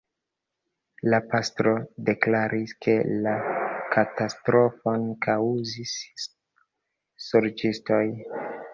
La pastro deklaris, ke la katastrofon kaŭzis sorĉistoj.